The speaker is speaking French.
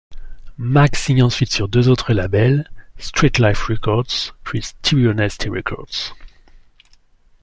Mack signe ensuite sur deux autres labels, Street Life Records puis Stereo Nasty Records.